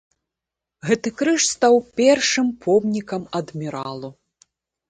Гэты крыж стаў першым помнікам адміралу.